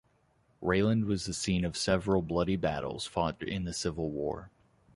Rayland was the scene of several bloody battles fought in the civil war.